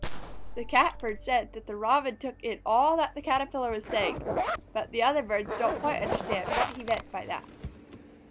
The Catbird said that the Robin took in all that the Caterpillar was saying, but the other birds didn't quite understand what he meant by that.